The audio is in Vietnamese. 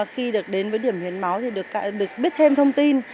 khi được đến với điểm hiến máu thì được biết thêm thông tin